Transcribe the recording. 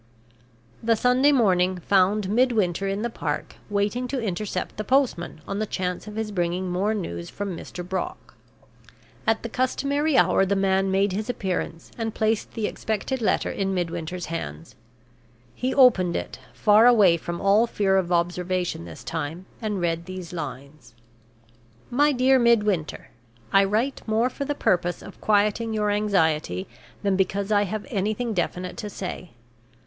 The Sunday morning found Midwinter in the park, waiting to intercept the postman, on the chance of his bringing more news from Mr. Brock. At the customary hour the man made his appearance, and placed the expected letter in Midwinter's hands. He opened it, far away from all fear of observation this time, and read these lines: "MY DEAR MIDWINTER I write more for the purpose of quieting your anxiety than because I have anything definite to say.